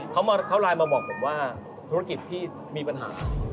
เขาไลน์มาบอกผมว่าธุรกิจพี่มีปัญหา